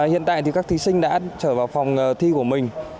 hiện tại thì các thí sinh đã trở vào phòng thi của mình